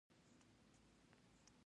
هډوکي وزن برداشت کوي.